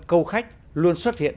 câu khách luôn xuất hiện